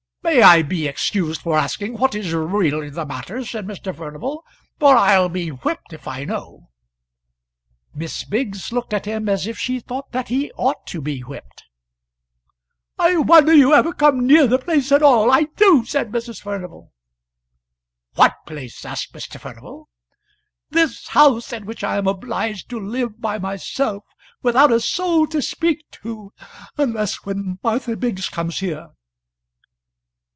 "May I be excused for asking what is really the matter?" said Mr. Furnival, "for I'll be whipped if I know." Miss Biggs looked at him as if she thought that he ought to be whipped. "I wonder you ever come near the place at all, I do," said Mrs. Furnival. "What place?" asked Mr. Furnival. "This house in which I am obliged to live by myself, without a soul to speak to, unless when Martha Biggs comes here."